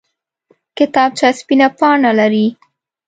کتابچه سپینه پاڼه لري